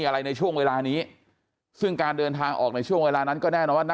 อะไรในช่วงเวลานี้ซึ่งการเดินทางออกในช่วงเวลานั้นก็แน่นอนว่า